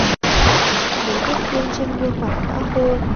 Mấy vết thương trên gương mặt đã khô